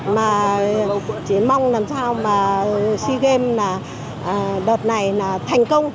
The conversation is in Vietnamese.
mà chỉ mong làm sao mà sea games đợt này thành công